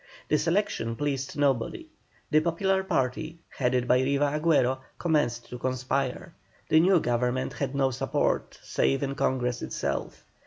The selection pleased nobody. The popular party, headed by Riva Agüero, commenced to conspire. The new Government had no support, save in Congress itself.